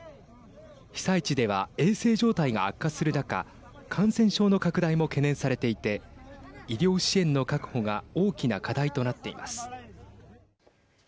被災地では衛生状態が悪化する中感染症の拡大も懸念されていて医療支援の確保が大きな課題となっています。